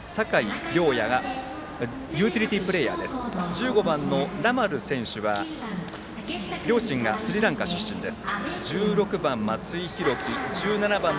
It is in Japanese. １５番のラマル選手は両親がスリランカ出身です。